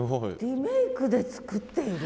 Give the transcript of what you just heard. リメイクで作っている？